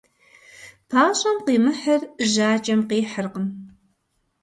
Пащӏэм къимыхьыр жьакӏэм къихьыркъым.